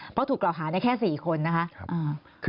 เพราะถูกกล่าวค้าในแค่สี่คนนะคะ